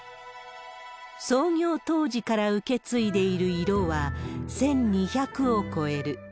創業当時から受け継いでいる色は、１２００を超える。